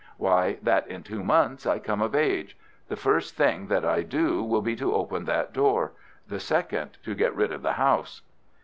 "Why, that in two months I come of age. The first thing that I do will be to open that door; the second, to get rid of the house."